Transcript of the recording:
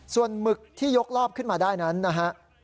ส่วนหมึกที่ยกรอบขึ้นมาได้นั้นนะฮะ